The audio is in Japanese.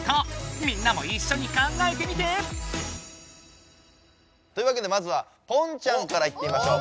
みんなもいっしょに考えてみて！というわけでまずはポンちゃんからいってみましょう。